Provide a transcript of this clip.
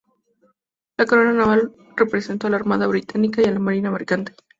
La corona naval representó a la Armada Británica y a la marina mercante.